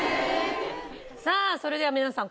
さあそれでは皆さん